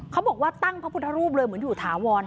เขาบอกว่าตั้งพระพุทธรูปเลยเหมือนอยู่ถาวร